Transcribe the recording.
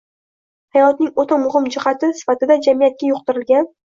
hayotning o‘ta muhim jihati sifatida jamiyatga “yuqtirilgan”